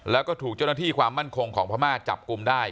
แล้วก็ถูกเจ้าหน้าที่ความมั่นคงของพม่าจับกลุ่มได้